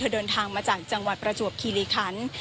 เดินทางมาจากจังหวัดประจวบคิริคัน